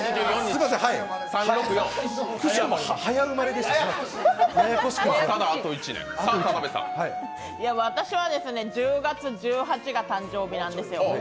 すみません、早生まれでした私はですね、１０月１８日が誕生日なんですよ。